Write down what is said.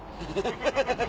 ハハハハ！